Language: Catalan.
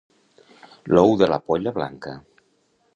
L'ou de la polla blanca.